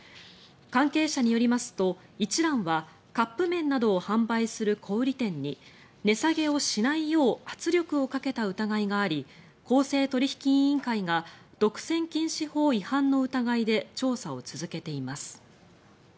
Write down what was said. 関係者によりますと一蘭はカップ麺などを販売する小売店に値下げをしないよう圧力をかけた疑いがあり公正取引委員会が独占禁止法違反の疑いで調査を続けています。